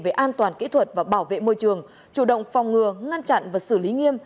về an toàn kỹ thuật và bảo vệ môi trường chủ động phòng ngừa ngăn chặn và xử lý nghiêm